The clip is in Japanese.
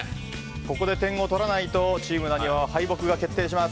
ここで点を取らないとチームなにわは敗北が決定します。